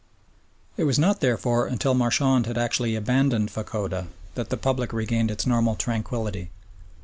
It was not, therefore, until Marchand had actually abandoned Fachoda that the public regained its normal tranquillity.